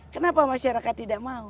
kenapa masyarakat tidak mau